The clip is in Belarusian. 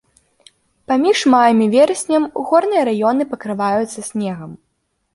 Паміж маем і вераснем горныя раёны пакрываюцца снегам.